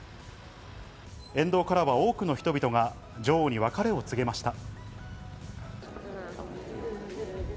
沿道からは多くの人々が女王に別れを告げました。